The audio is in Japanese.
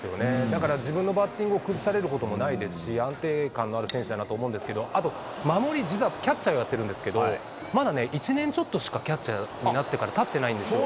だから、自分のバッティングを崩されることもないですし、安定感のある選手だなと思うんですけど、あと守り、実はキャッチャーをやってるんですけれども、まだね、１年ちょっとしか、キャッチャーになってから、立ってないんですよ。